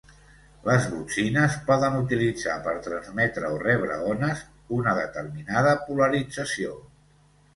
Les botzines poden utilitzar per transmetre o rebre ones una determinada polarització.